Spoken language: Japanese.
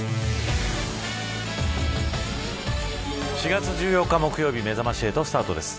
４月１４日木曜日めざまし８スタートです。